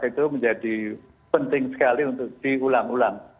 itu menjadi penting sekali untuk diulang ulang